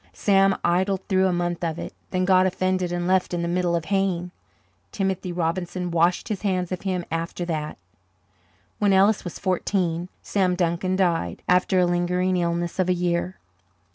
Sam idled through a month of it, then got offended and left in the middle of haying. Timothy Robinson washed his hands of him after that. When Ellis was fourteen Sam Duncan died, after a lingering illness of a year.